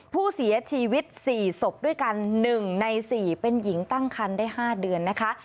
ผู้เสียชีวิต๔ศพด้วยกัน๑ใน๔เป็นหญิงตั้งคันได้๕เดือนนะคะ